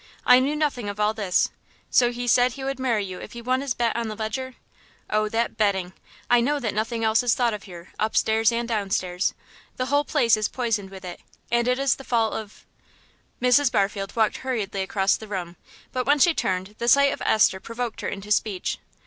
I knew nothing of all this. So he said he would marry you if he won his bet on the Leger? Oh, that betting! I know that nothing else is thought of here; upstairs and downstairs, the whole place is poisoned with it, and it is the fault of " Mrs. Barfield walked hurriedly across the room, but when she turned the sight of Esther provoked her into speech.